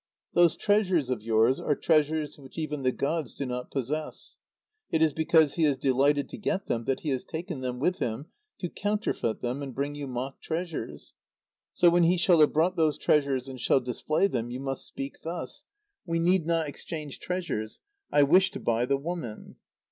Those treasures of yours are treasures which even the gods do not possess. It is because he is delighted to get them that he has taken them with him to counterfeit them and bring you mock treasures. So when he shall have brought those treasures and shall display them, you must speak thus: 'We need not exchange treasures. I wish to buy the woman!'